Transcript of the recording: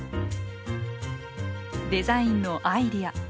デザインのアイデア。